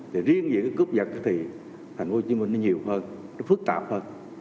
thì riêng về cái cướp giật thì tp hcm nó nhiều hơn nó phức tạp hơn